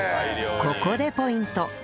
ここでポイント